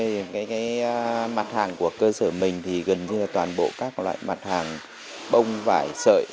riêng mặt hàng của cơ sở mình thì gần như toàn bộ các loại mặt hàng bông vải sợi